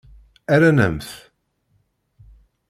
Rran-am-t.